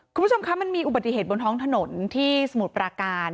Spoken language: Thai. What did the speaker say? คุณผู้ชมคะมันมีอุบัติเหตุบนท้องถนนที่สมุทรปราการ